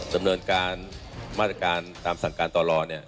ดำเนินการมาตรการตามสั่งการต่อรอเนี่ย